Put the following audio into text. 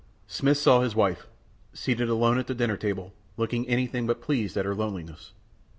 Smith saw his wife, seated alone at the dinner table, looking anything but pleased at her loneliness.